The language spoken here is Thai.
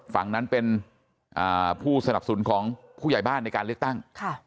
ฝั่งนั้นเป็นผู้สนับสนุนของผู้ใหญ่บ้านในการเลือกตั้ง